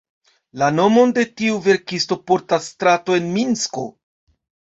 La nomon de tiu verkisto portas strato en Minsko.